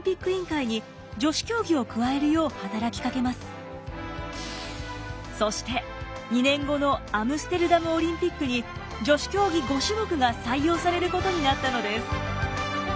大会後ミリア会長はそして２年後のアムステルダムオリンピックに女子競技５種目が採用されることになったのです。